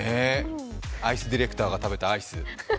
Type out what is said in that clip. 愛須ディレクターが食べたアイス。